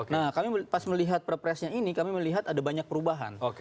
nah kami pas melihat perpresnya ini kami melihat ada banyak perubahan